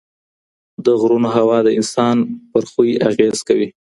د غرونو هوا د انسان په خوی اغېز کوي.